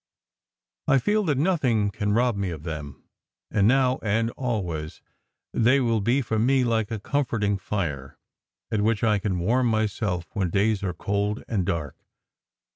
I feel that nothing can rob me of them, and now and always they will be for me like a comforting fire, at which I can warm myself when days are cold and dark.